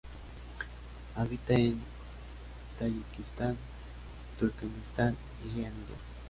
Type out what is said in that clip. Habita en Tayikistán, Turkmenistán y en Irán.